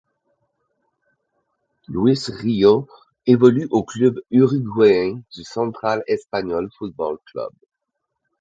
Luis Rijo évolue au club uruguayen du Central Español Fútbol Club.